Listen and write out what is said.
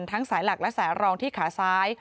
สายหลักและสายรองที่ขาซ้าย